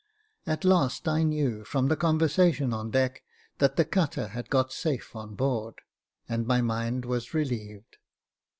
At last I knew, from the conversation on deck, that the cutter had got safe on board, and my mind was relieved.